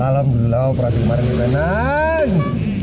alhamdulillah operasi kemarin di penang